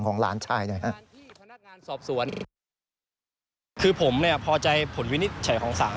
คือผมพอใจผลวินิจฉัยของสาร